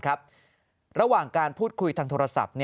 ระหว่างการพูดคุยทางโทรศัพท์